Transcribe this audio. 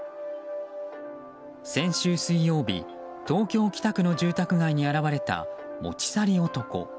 先週水曜日、東京・北区の住宅街に現れた持ち去り男。